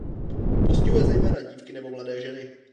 Postihuje zejména dívky nebo mladé ženy.